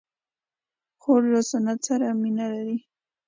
خور له سنت سره مینه لري.